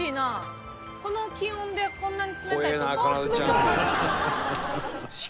この気温でこんなに冷たい。